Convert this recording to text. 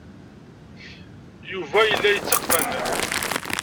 Yuba yella yetteqqen.